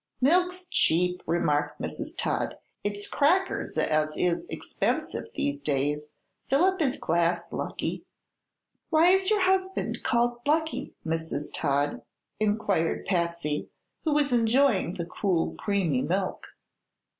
"Milk's cheap," remarked Mrs. Todd. "It's crackers as is expensive these days. Fill up his glass, Lucky." "Why is your husband called 'Lucky,' Mrs. Todd?" inquired Patsy, who was enjoying the cool, creamy milk.